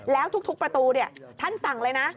แล้วทุกประตูท่านสั่งเลยนะ